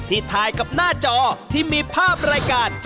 ถ่ายกับหน้าจอที่มีภาพรายการ